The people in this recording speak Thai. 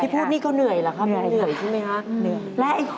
คือพูดนี่ก็เหนื่อยเหรอคะไม่เหนื่อยใช่ไหมคะ